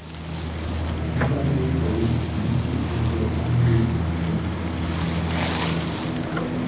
平单蛛为平腹蛛科单蛛属的动物。